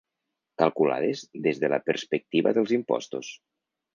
Calculades des de la perspectiva dels impostos.